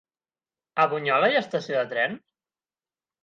A Bunyola hi ha estació de tren?